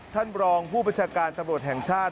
ท่านรองผู้บัญชาการตำรวจแห่งชาติ